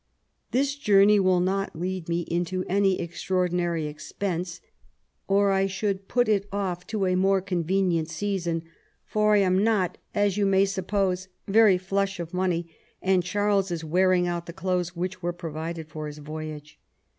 This journey wiU not lead me into any ex traordinary expense, or I should put it o£f to a more convenient season, for I am not, as you may suppose, very flush of money, and Charles is wearing out the clothes which were provided for his "voyage.